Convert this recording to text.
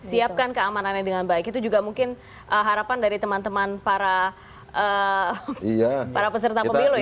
siapkan keamanannya dengan baik itu juga mungkin harapan dari teman teman para peserta pemilu ya